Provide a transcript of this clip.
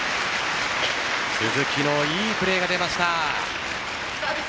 鈴木のいいプレーが出ました。